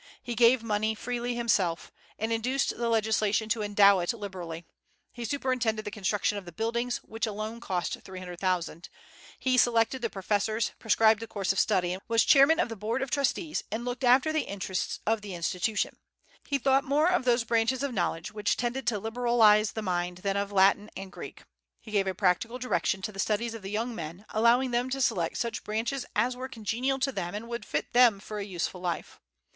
He gave money freely himself, and induced the legislature to endow it liberally. He superintended the construction of the buildings, which alone cost $300,000; he selected the professors, prescribed the course of study, was chairman of the board of trustees, and looked after the interests of the institution. He thought more of those branches of knowledge which tended to liberalize the mind than of Latin and Greek. He gave a practical direction to the studies of the young men, allowing them to select such branches as were congenial to them and would fit them for a useful life.